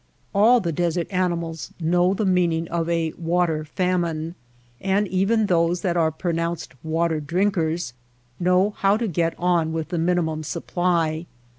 All the desert animals know the meaning of a water famine, and even those that are pro nounced water drinkers know how to get on with the minimum supply.